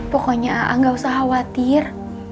pokoknya a gak usah khawatir